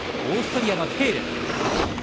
オーストリアのケール。